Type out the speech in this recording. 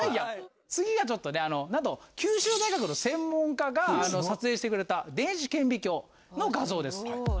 次はちょっとなんと九州大学の専門家が撮影してくれた電子顕微鏡の画像です。